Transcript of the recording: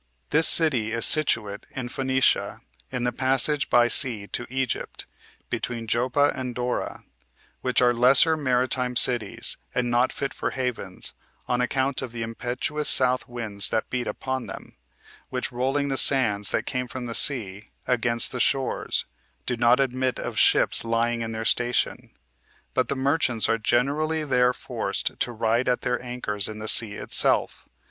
This city is situate in Phoenicia, in the passage by sea to Egypt, between Joppa and Dora, which are lesser maritime cities, and not fit for havens, on account of the impetuous south winds that beat upon them, which rolling the sands that come from the sea against the shores, do not admit of ships lying in their station; but the merchants are generally there forced to ride at their anchors in the sea itself.